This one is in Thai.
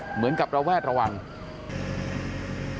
เหมือนกับระแวดระวัง